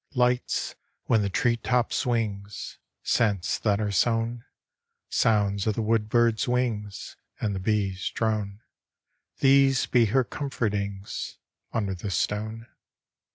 Lights, when the tree top swings; Scents that are sown; Sounds of the wood bird's wings; And the bee's drone: These be her comfortings Under the stone.